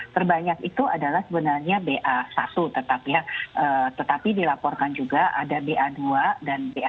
terbanyak itu adalah sebenarnya b a satu tetap ya tetapi dilaporkan juga ada b a dua dan b a tiga